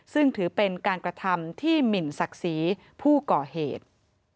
ซึ่งถือเป็นการกระทำที่หมินศักดิ์ศรีผู้ก่อเหตุ